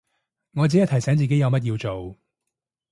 我只係提醒自己有乜要做